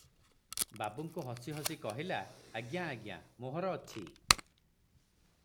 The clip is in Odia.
ବାବୁଙ୍କୁ ହସି ହସି କହିଲା, ଆଜ୍ଞା! ଆଜ୍ଞା! ମୋହର ଅଛି ।"